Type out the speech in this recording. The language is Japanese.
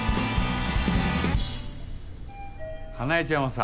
花恵ちゃんはさ。